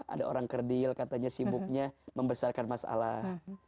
ada orang kerdil katanya sibuknya membesarkan masalah